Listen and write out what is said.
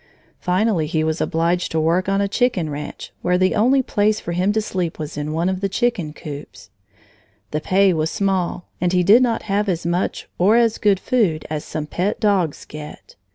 Finally he was obliged to work on a chicken ranch, where the only place for him to sleep was in one of the chicken coops. The pay was small, and he did not have as much or as good food as some pet dogs get.